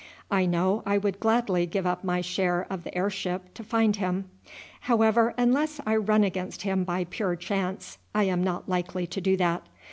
I know I would gladly give up my share of the heirship to find him. However, unless I run against him by pure chance I am not likely to do that.